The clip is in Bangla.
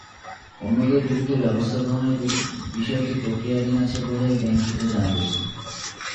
অন্যদের বিরুদ্ধে ব্যবস্থা গ্রহণের বিষয়টি প্রক্রিয়াধীন আছে বলে ব্যাংক সূত্রে জানা গেছে।